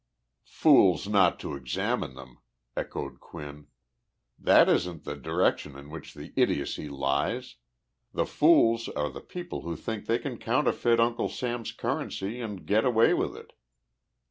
"Fools not to examine them!" echoed Quinn. "That isn't the direction in which the idiocy lies. The fools are the people who think they can counterfeit Uncle Sam's currency and get away with it.